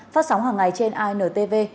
phát sóng hàng ngày trên intv